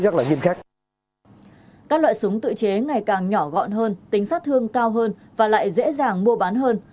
các loại súng tự chế ngày càng nhỏ gọn hơn tính sát thương cao hơn và lại dễ dàng mua bán hơn